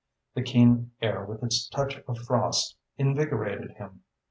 The keen air with its touch of frost invigorated him.